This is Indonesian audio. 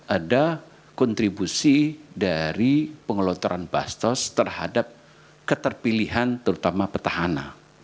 ada kontribusi dari pengelotoran bastos terhadap keterpilihan terutama petahana